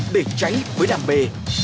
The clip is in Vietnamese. để cháy với đam mê